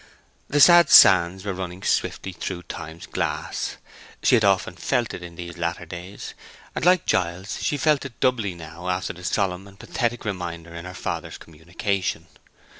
The sad sands were running swiftly through Time's glass; she had often felt it in these latter days; and, like Giles, she felt it doubly now after the solemn and pathetic reminder in her father's communication.